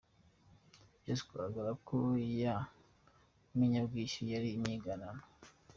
Byaje kugaragara ko ya nyemezabwishyu yari inyiganano.